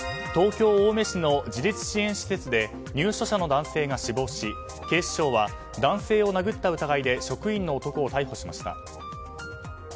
東京・青梅市の自立支援施設で入所者の男性が死亡し警視庁は男性を殴った疑いで職員の男を逮捕しました。